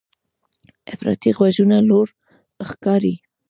افراطي غږونه لوړ ښکاري.